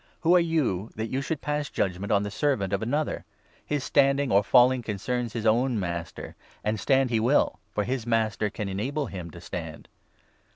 Who are you, that you should pass judgement on the 4 servant of another ? His standing or falling concerns his own master. And stand he will, for his Master can enable him to stand.